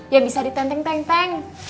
yang bisa di teng teng teng